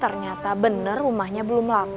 ternyata bener rumahnya belum laku